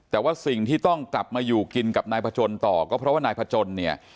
แต่ว่าสิ่งที่ต้องกลับมาอยู่กินกับนายพจนต่อก็เพราะว่านายพจนเนี่ย